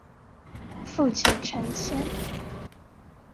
父亲陈谦。